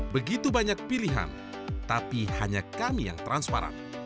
begitu banyak pilihan tapi hanya kami yang transparan